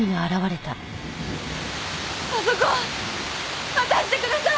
パソコン渡してください！